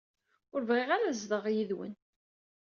Ur bɣiɣ ara ad zedɣeɣ yid-wen.